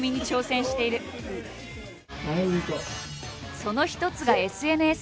その一つがＳＮＳ。